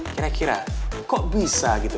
kira kira kok bisa gitu